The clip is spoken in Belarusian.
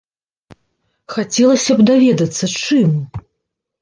Хацелася б даведацца, чым?